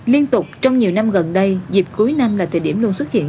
liên tục trong nhiều năm gần đây dịp cuối năm là thời điểm luôn xuất hiện